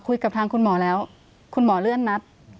คุยกับทางคุณหมอแล้วคุณหมอเลื่อนนัด